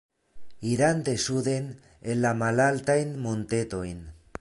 Irante suden en la malaltajn montetojn.